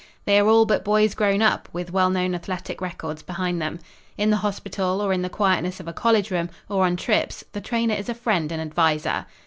They are all but boys grown up, with well known athletic records behind them. In the hospital, or in the quietness of a college room, or on trips, the trainer is a friend and adviser.